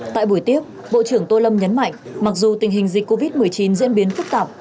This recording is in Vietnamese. tại buổi tiếp bộ trưởng tô lâm nhấn mạnh mặc dù tình hình dịch covid một mươi chín diễn biến phức tạp